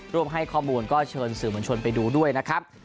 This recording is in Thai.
ร่วมให้ข้อมูลก็เชิญสื่อมวลชนไปดูด้วยนะครับ